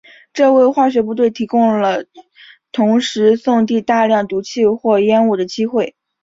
这为化学部队提供了同时送递大量毒气或烟雾的机会。